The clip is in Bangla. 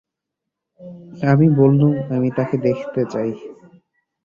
আমি বললুম, আমি তাকে দেখতে চাই।